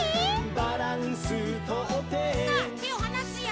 「バランスとって」さあてをはなすよ。